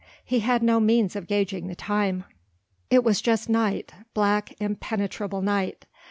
He had no means of gauging the time. It was just night, black impenetrable night.